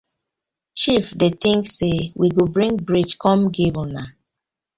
Chief di tin bi say we go bring bridge kom giv una.